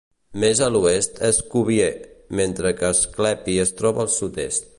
Mes a l'oest és Cuvier, mentre que Asclepi es troba al sud-est.